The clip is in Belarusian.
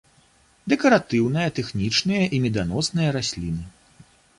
Дэкаратыўныя, тэхнічныя і меданосныя расліны.